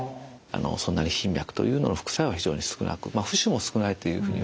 そんなに頻脈というのの副作用は非常に少なく浮腫も少ないというふうにいわれています。